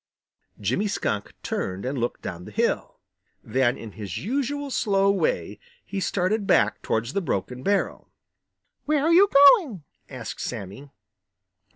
Jimmy Skunk turned and looked down the hill. Then in his usual slow way he started back towards the broken barrel. "Where are you going?" asked Sammy.